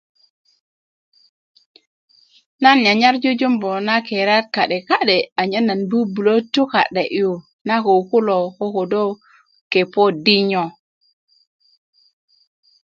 nan nyanyar jujumbu na keriyat ka'deka'de' anyen bubulö tuka'de'yu na ko kulo ko ködö kepo dinyo